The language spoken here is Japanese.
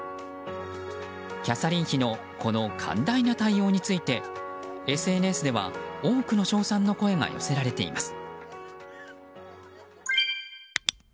キャサリン妃のこの寛大な対応についてＳＮＳでは、多くの称賛の声が寄せられています。